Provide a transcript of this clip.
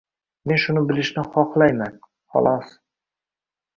— men shuni bilishni xohlayman, xolos.